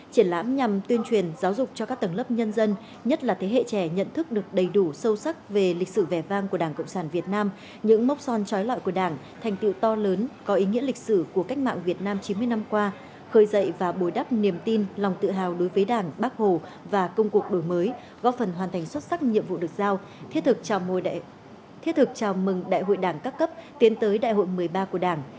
triển lãm nhằm tuyên truyền giáo dục cho các tầng lớp nhân dân nhất là thế hệ trẻ nhận thức được đầy đủ sâu sắc về lịch sử vẻ vang của đảng cộng sản việt nam những mốc son trói lọi của đảng thành tựu to lớn có ý nghĩa lịch sử của cách mạng việt nam chín mươi năm qua khởi dậy và bồi đắp niềm tin lòng tự hào đối với đảng bác hồ và công cuộc đổi mới góp phần hoàn thành xuất sắc nhiệm vụ được giao thiết thực chào mừng đại hội đảng cấp cấp tiến tới đại hội một mươi ba của đảng